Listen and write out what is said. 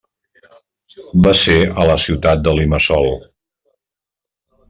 Va ser a la ciutat de Limassol.